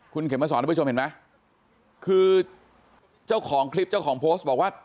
คุณเข็มมาสอนทุกผู้ชมเห็นไหมคือเจ้าของคลิปเจ้าของโพสต์บอกว่า